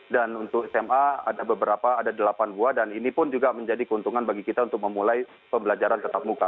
untuk sma ada beberapa ada delapan buah dan ini pun juga menjadi keuntungan bagi kita untuk memulai pembelajaran tetap muka